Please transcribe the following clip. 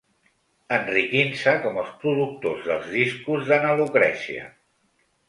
Enriquint-se com els productors dels discos de na Lucrècia.